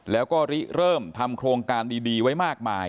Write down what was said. แล้วก็เริ่มทำโครงการดีไว้มากมาย